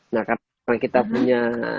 nah karena kita punya